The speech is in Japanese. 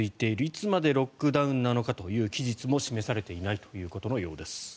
いつまでロックダウンなのかという期日も示されていないということのようです。